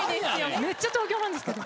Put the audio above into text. めっちゃ東京なんですけど。